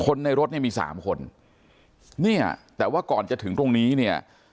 คนในรถเนี่ยมีสามคนเนี่ยแต่ว่าก่อนจะถึงตรงนี้เนี่ย